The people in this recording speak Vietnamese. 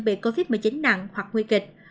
bị covid một mươi chín nặng hoặc nguy kịch